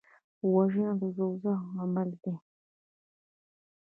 وژنه د دوزخ عمل دی